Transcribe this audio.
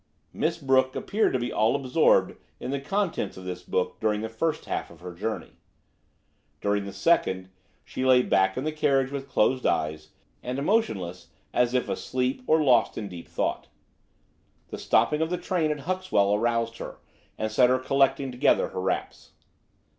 Miss Brooke appeared to be all absorbed in the contents of this book during the first half of her journey. During the second, she lay back in the carriage with closed eyes, and motionless as if asleep or lost in deep thought. The stopping of the train at Huxwell aroused her, and set her collecting together her wraps.